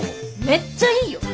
めっちゃいいよ。